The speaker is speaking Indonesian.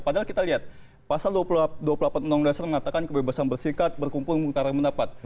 padahal kita lihat pasal dua puluh delapan menunggu dasar mengatakan kebebasan bersilkat berkumpul mengumpulkan pendapat